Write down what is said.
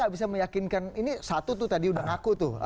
gak bisa meyakinkan ini satu tuh tadi udah ngaku tuh